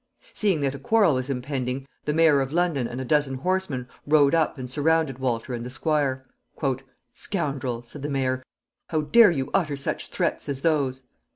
Seeing that a quarrel was impending, the mayor of London and a dozen horsemen rode up and surrounded Walter and the squire. "Scoundrel!" said the mayor, "how dare you utter such threats as those?"